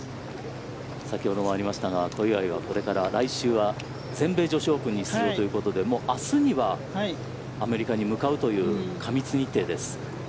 先ほどもありましたが小祝はこれから、来週は全米女子オープンに出場ということで明日にはアメリカに向かうという過密日程です。